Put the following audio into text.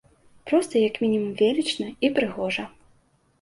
Проста як мінімум велічна і прыгожа.